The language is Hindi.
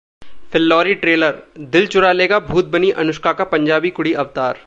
'फिल्लौरी' ट्रेलर: दिल चुरा लेगा भूत बनीं अनुष्का का पंजाबी कुड़ी अवतार